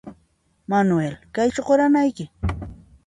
Manuel ¿Kaychu quranayki?